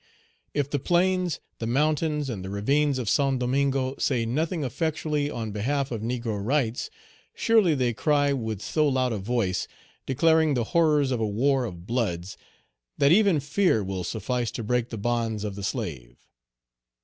If the plains, the mountains, and the ravines of Saint Domingo say nothing effectually on behalf of negro rights, surely they cry with so loud a voice, declaring the horrors of a war of "bloods," that even fear will suffice to break the bonds of the slave!